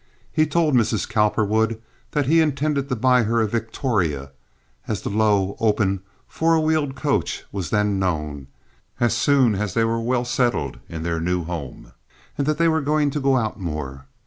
He told Mrs. Cowperwood that he intended to buy her a victoria—as the low, open, four wheeled coach was then known—as soon as they were well settled in their new home, and that they were to go out more.